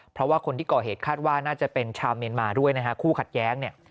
เพราะว่าคนที่ก่อเหตุคาดว่าน่าจะเป็นชาวเมียนมาด้วยนะฮะคู่ขัดแย้งเนี่ย